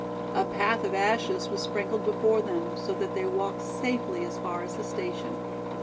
A path of ashes was sprinkled before them, so that they walked safely as far as the station.